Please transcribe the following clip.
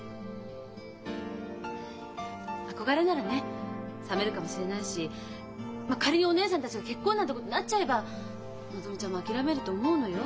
憧れならねさめるかもしれないしまっ仮にお義姉さんたちが結婚なんてことになっちゃえばのぞみちゃんも諦めると思うのよ。